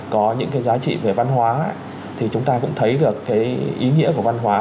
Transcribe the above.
có những cái giá trị về văn hóa thì chúng ta cũng thấy được cái ý nghĩa của văn hóa